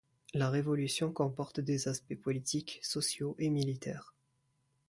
La révolution comporte des aspects politiques, sociaux et militaires.